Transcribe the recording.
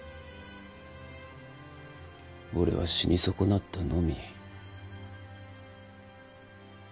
俺は死に損なったのみ。